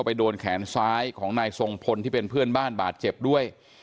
โดนแขนซ้ายของนายทรงพลที่เป็นเพื่อนบ้านบาดเจ็บด้วย